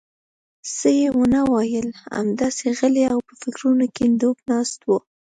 څه یې ونه ویل، همداسې غلی او په فکرونو کې ډوب ناست و.